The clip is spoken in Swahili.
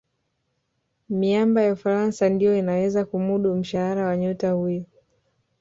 miamba ya ufaransa ndiyo inaweza kumudu mshahara wa nyota huyo